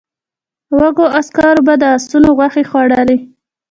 وږو عسکرو به د آسونو غوښې خوړلې.